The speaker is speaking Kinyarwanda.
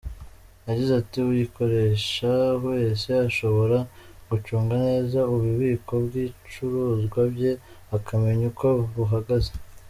Yagize ati “Uyikoresha wese ashobora gucunga neza ububiko bw’ibicuruzwa bye, akamenya uko buhagaze.